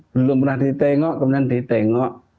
belum pernah ditengok kemudian ditengok